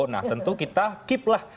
nah tentu kita keep lah